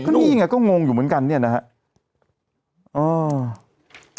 เขาบอกว่ามีอย่างไรก็งงอยู่เหมือนกันนี่นะครับ